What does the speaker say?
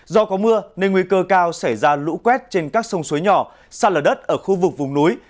do có mưa nên nguy cơ cao xảy ra lũ quét trên các sông suối nhỏ xa lở đất ở khu vực vùng núi